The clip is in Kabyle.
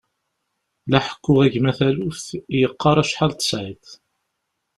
La ḥekkuɣ i gma taluft, yeqqar acḥal tesɛiḍ.